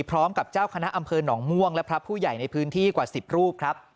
พร้อมกับเจ้าคณะอำเภอหนองม่วงและพระผู้ใหญ่ในพื้นที่กว่า๑๐รูปครับ